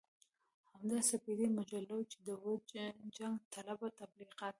همدا سپېدې مجله وه چې د وچ جنګ طلبه تبليغات.